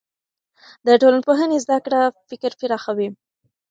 د ټولنپوهنې زده کړه فکر پراخوي.